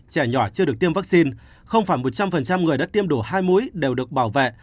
trẻ nhỏ chưa được tiêm vaccine không phải một trăm linh người đã tiêm đủ hai mũi đều được bảo vệ